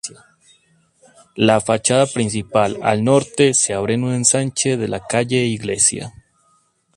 La fachada principal, al norte, se abre en un ensanche de la calle Iglesia.